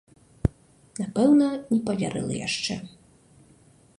Напэўна, не паверыла яшчэ.